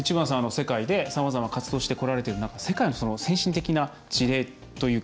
世界で、さまざまな活動をしてこられてる中世界の先進的な事例というか